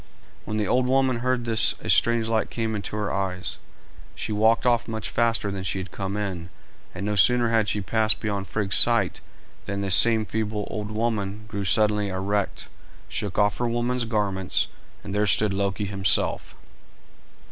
When the old woman heard this a strange light came into her eyes; she walked off much faster than she had come in, and no sooner had she passed beyond Frigg's sight than this same feeble old woman grew suddenly erect, shook off her woman's garments, and there stood Loki himself.